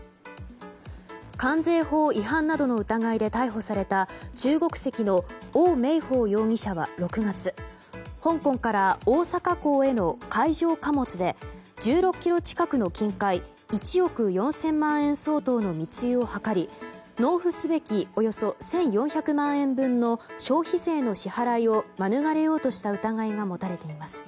関税法違反などの疑いで逮捕された中国籍のオウ・メイホウ容疑者は６月香港から大阪港への海上貨物で１６ｋｇ近くの金塊１億４０００万円相当の密輸を図り納付すべきおよそ１４００万円分の消費税の支払いを免れようとした疑いが持たれています。